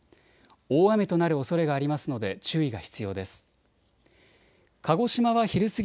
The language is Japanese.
大雨となるおそれがありますので注意が必要です。